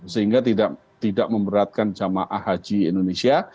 sehingga tidak memberatkan jamaah haji indonesia